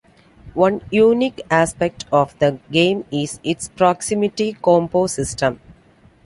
One unique aspect of the game is its proximity combo system.